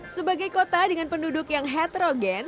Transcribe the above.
sebagai kota dengan penduduk yang heterogen